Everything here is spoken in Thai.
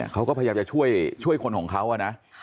เขาก็พยายามจะช่วยคนของเขานะ